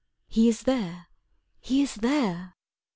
He is there! He is there!